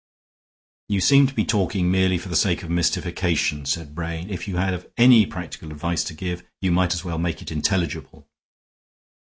"You seem to be talking merely for the sake of mystification," said Brain. "If you have any practical advice to give you might as well make it intelligible."